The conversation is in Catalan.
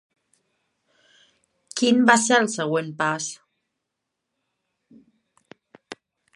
Quin va ser el següent pas?